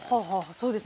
そうですね。